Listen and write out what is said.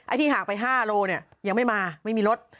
ไอ้ที่ห่างไป๕กิโลเมตรยังไม่มาไม่มีรถ